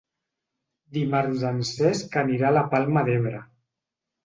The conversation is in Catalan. Dimarts en Cesc anirà a la Palma d'Ebre.